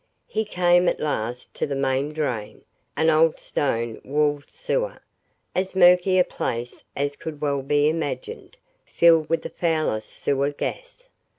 He came at last to the main drain, an old stone walled sewer, as murky a place as could well be imagined, filled with the foulest sewer gas.